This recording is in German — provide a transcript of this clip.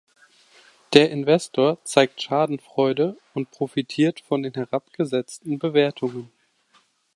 Der Investor zeigt Schadenfreude und profitiert von den herabgesetzten Bewertungen.